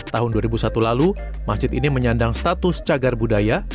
tahun dua ribu satu lalu masjid ini menyandang status cagar budaya